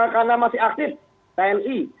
karena masih aktif tni